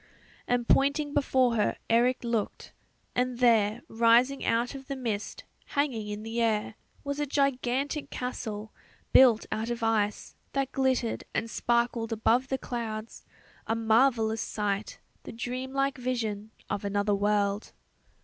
And pointing before her Eric looked ... and there, rising out of the mist, hanging in the air, was a gigantic castle, built out of ice, that glittered and sparkled above the clouds a marvellous sight, the dream like vision of another world.